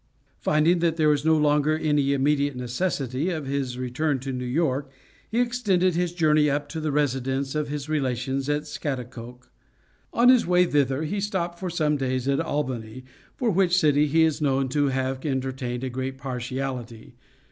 Finding that there was no longer any immediate necessity for his return to New York, he extended his journey up to the residence of his relations at Scaghtikoke. On his way thither he stopped for some days at Albany, for which city he is known to have entertained a great partiality.